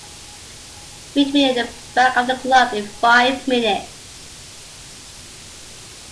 Meet me in the back of the club in five minutes.